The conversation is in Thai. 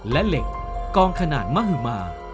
และเหล็กกองขนาดมหมา